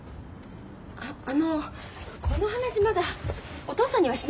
ああのこの話まだお父さんにはしないで。